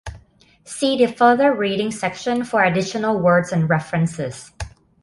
See the Further reading section for additional words and references.